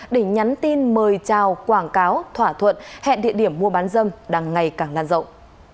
để nhắn tin mời chào quảng cáo thỏa thuận hẹn địa điểm mua bán dâm đang ngày càng lan rộng